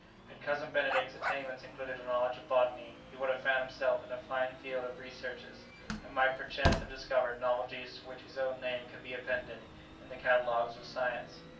Had Cousin Benedict's attainments included a knowledge of botany he would have found himself in a fine field for researches, and might perchance have discovered novelties to which his own name could be appended in the catalogues of science.